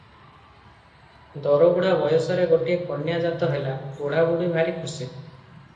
ଦରବୁଢା ବୟସରେ ଗୋଟିଏ କନ୍ୟା ଜାତ ହେଲା, ବୁଢ଼ାବୁଢ଼ୀ ଭାରି ଖୁସି ।